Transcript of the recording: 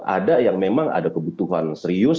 ada yang memang ada kebutuhan serius